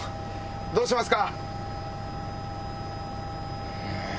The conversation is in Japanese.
どうしますか？